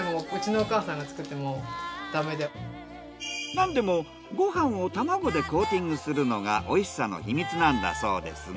なんでもご飯を卵でコーティングするのがおいしさの秘密なんだそうですが。